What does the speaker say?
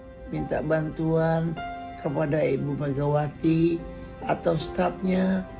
saya minta bantuan kepada ibu megawati atau staffnya